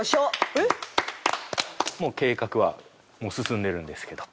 もう計画は進んでるんですけど。